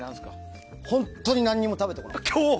本当に何も食べてこなかった。